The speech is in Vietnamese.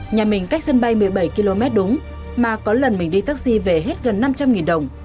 nhà mình cách sân bay một mươi bảy km đúng mà có lần mình đi taxi về hết gần năm trăm linh đồng